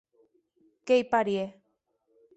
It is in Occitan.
Qu'ei parièr.